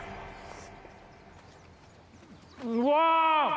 うわ。